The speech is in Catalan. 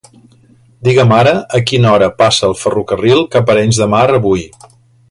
Digue'm ara a quina hora passa el ferrocarril cap a Arenys de Mar avui.